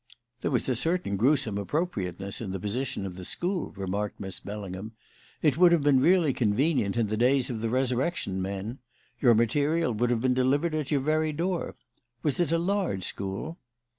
"There was a certain gruesome appropriateness in the position of the school," remarked Miss Bellingham. "It would have been really convenient in the days of the resurrection men. Your material would have been delivered at your very door. Was it a large school?"